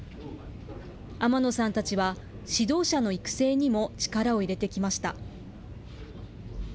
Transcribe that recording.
天野さんたちは、指導者の育成にも力を入れてきました。